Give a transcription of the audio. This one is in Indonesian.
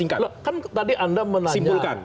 kan tadi anda menanya